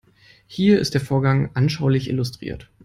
Hier ist der Vorgang anschaulich illustriert.